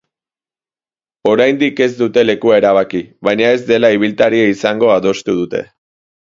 Oraindik ez dute lekua erabaki, baina ez dela ibiltaria izango adostu dute.